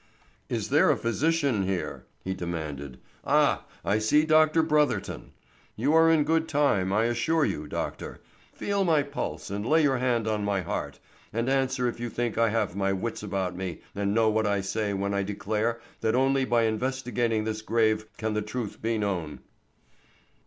"Is there a physician here?" he demanded. "Ah, I see Dr. Brotherton. You are in good time, I assure you, doctor. Feel my pulse and lay your hand on my heart, and answer if you think I have my wits about me and know what I say when I declare that only by investigating this grave can the truth be known."